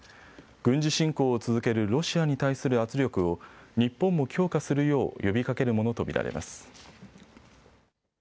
軍事侵攻を続けるロシアに対する圧力を日本も強化するよう呼びかけるものと見られます。